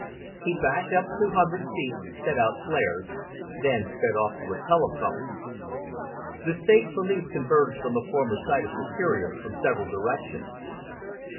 He backed up two hundred feet, set out flares, then sped off to a telephone. The state police converged on the former site of Superior from several directions.